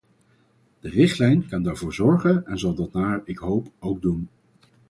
De richtlijn kan daarvoor zorgen en zal dat naar ik hoop ook doen.